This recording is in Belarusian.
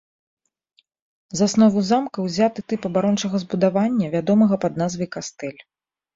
За аснову замка ўзяты тып абарончага збудавання, вядомага пад назвай кастэль.